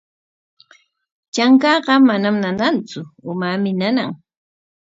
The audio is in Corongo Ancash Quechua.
Trankaaqa manam nanantsu, umaami nana.